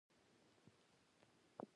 جګړه د خلکو تر منځ ژورې درزونه جوړوي